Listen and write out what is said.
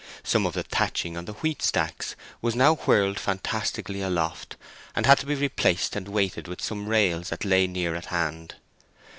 Some of the thatching on the wheat stacks was now whirled fantastically aloft, and had to be replaced and weighted with some rails that lay near at hand.